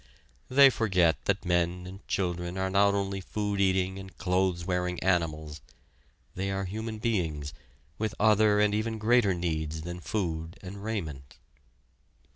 They forget that men and children are not only food eating and clothes wearing animals they are human beings with other and even greater needs than food and raiment.